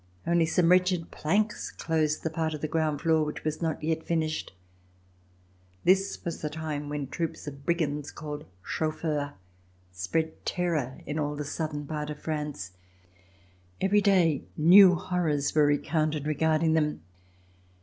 Only some wretched planks closed the part of the ground floor which was not yet finished. This was the time when troops of brigands, called chmiffeurs, spread terror in all the southern part of France. Every day new horrors were recounted regarding them.